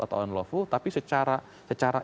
atau unlawful tapi secara